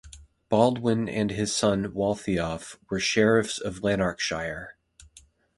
Baldwin and his son Waltheof were Sheriffs of Lanarkshire.